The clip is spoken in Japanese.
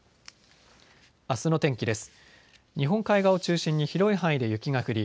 あすの天気です。